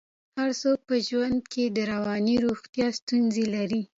هر څوک په ژوند کې د رواني روغتیا ستونزه لري.